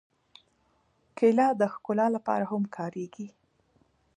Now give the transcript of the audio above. کېله د ښکلا لپاره هم کارېږي.